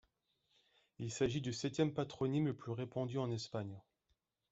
Il s'agit du septième patronyme le plus répandu en Espagne.